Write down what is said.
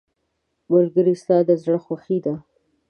ملګری ستا د زړه خوښي ده.